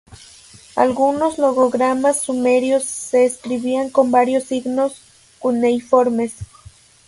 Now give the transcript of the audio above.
Algunos logogramas sumerios se escribían con varios signos cuneiformes.